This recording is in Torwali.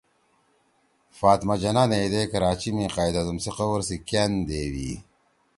فاطمہ جناح نیئی دے کراچی می قائداعظم سی قوَر سی کأن دیوی